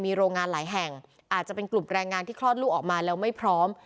มีโรงงานหลายแห่งอาจจะเป็นกลุ่มแรงงานที่คลอดลูกออกมาแล้วไม่พร้อม